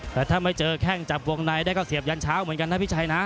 แต่ถ้าไม่เจอแข้งจับวงในได้ก็เสียบยันเช้าเหมือนกันนะพี่ชัยนะ